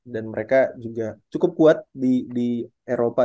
dan mereka juga cukup kuat di eropa